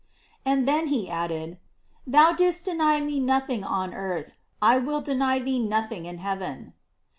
* Anfl then he added: "Thou didst deny me nothing on earth, I will deny thee nothing in heaven."